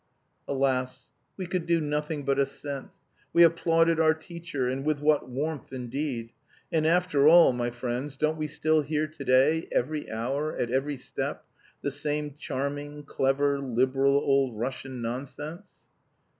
"Alas! We could do nothing but assent. We applauded our teacher and with what warmth, indeed! And, after all, my friends, don't we still hear to day, every hour, at every step, the same "charming," "clever," "liberal," old Russian nonsense?